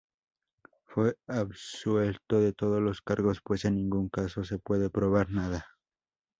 Fue absuelto de todos los cargos, pues en ningún caso se pudo probar nada.